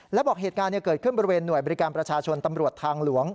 แล้วบอกเหตุการณ์นี้เกิดขึ้นบริการประชาชนตำรวจทางหลวง